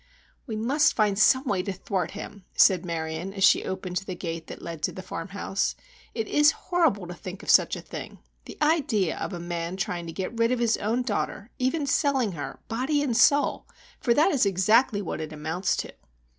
"We must find some way to thwart him," said Marion, as she opened the gate that led to the farm house. "It is horrible to think of such a thing. The idea of a man trying to get rid of his own daughter, even selling her body and soul, for that is exactly what it amounts to.